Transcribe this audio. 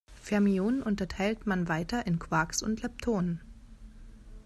Fermionen unterteilt man weiter in Quarks und Leptonen.